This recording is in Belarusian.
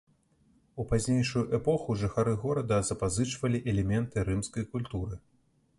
У пазнейшую эпоху жыхары горада запазычвалі элементы рымскай культуры.